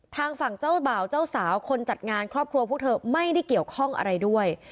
ทางฝั่งเจ้าบ่าวเจ้าสาวคนจัดงานครอบครัวพวกเธอไม่ได้เกี่ยวข้องอะไรด้วย